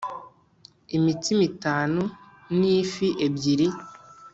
Imitsima itanu n ifi ebyiri